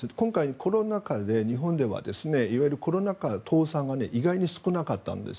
コロナ禍で日本ではいわゆるコロナ禍の倒産が少なかったんです。